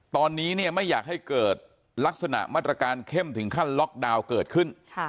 ตอนนี้ไม่อยากให้เกิดลักษณะมาตรการเข้มถึงขั้นล็อกดาวน์เกิดขึ้น